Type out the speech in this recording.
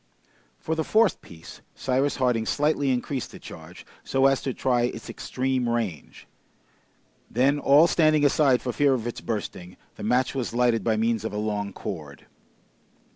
For the fourth piece Cyrus Harding slightly increased the charge, so as to try its extreme range. Then, all standing aside for fear of its bursting, the match was lighted by means of a long cord.